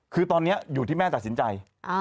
คือตอนนี้อยู่ที่แม่ตัดสินใจ